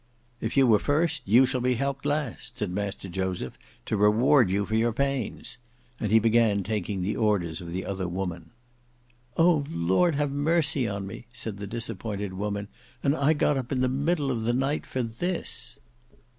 "If you were first, you shall be helped last." said Master Joseph, "to reward you for your pains!" and he began taking the orders of the other woman. "O! Lord have mercy on me!" said the disappointed woman; "and I got up in the middle of the night for this!"